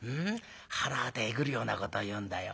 はらわたえぐるようなこと言うんだよ。